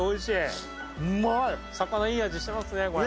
魚、いい味していますね。